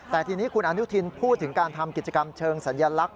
แต่ทีนี้คุณอนุทินพูดถึงการทำกิจกรรมเชิงสัญลักษณ